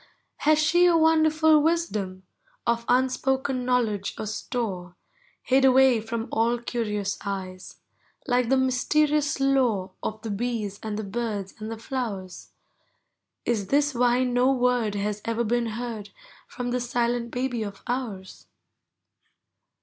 Has she a wonderful wisdom, Of unspoken knowledge a store, Hid away from all curious eves, Like the mvsterious lore %f Of the bees and the birds and the dowers? Is this whv no word Has ever been heard From this silent baby of ours?